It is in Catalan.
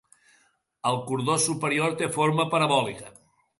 El cordó superior té forma parabòlica.